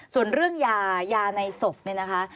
ส่วนเรื่องยายาในศพเนี่ยนะคะ